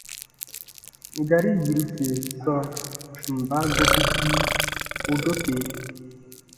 Gari yiruse sɔɔ: mba gobigii u dokee?